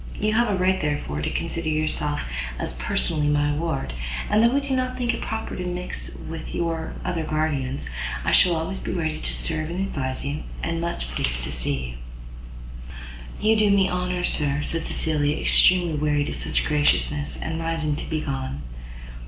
You have a right, therefore, to consider yourself as personally my ward, and though I do not think proper to mix much with your other guardians, I shall always be ready to serve and advise you, and much pleased to see you." "You do me honour, sir," said Cecilia, extremely wearied of such graciousness, and rising to be gone.